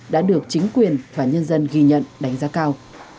đã được chính quyền và nhân dân ghi nhận đánh giá cao